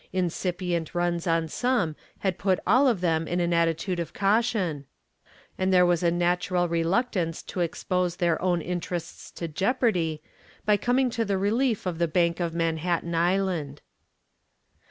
Incipient runs on some had put all of them in an attitude of caution, and there was a natural reluctance to expose their own interests to jeopardy by coming to the relief of the Bank of Manhattan Island.